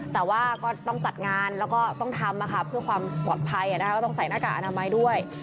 แต่ว่าก็ต้องจัดงานแล้วก็ต้องทำเพื่อความปลอดภัยก็ต้องใส่หน้ากากอนามัยด้วย